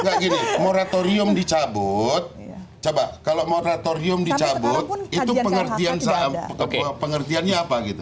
enggak gini moratorium dicabut coba kalau moratorium dicabut itu pengertiannya apa gitu